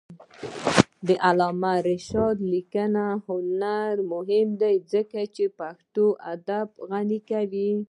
د علامه رشاد لیکنی هنر مهم دی ځکه چې پښتو ادب غني کوي.